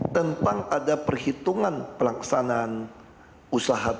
tentang ada perhitungan pelaksanaan usaha